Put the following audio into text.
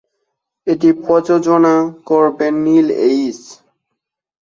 এটি প্রযোজনা করবেন নিল এইচ।